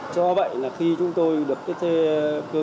do vậy khi chúng tôi được cơ cơ